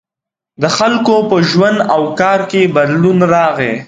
• د خلکو په ژوند او کار کې بدلون راغی.